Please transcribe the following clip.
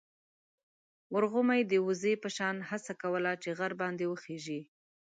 ورغومي د وزې په شان هڅه کوله چې غر باندې وخېژي.